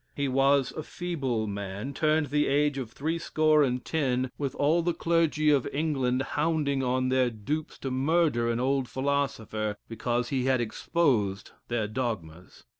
He was a feeble man, turned the age of three score and ten, with all the clergy of England hounding on their dupes to murder an old philosopher because he had exposed their dogmas.